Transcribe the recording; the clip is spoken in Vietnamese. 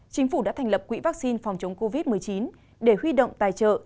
chính phủ đã thành lập quỹ vaccine phòng chống covid một mươi chín để huy động tài trợ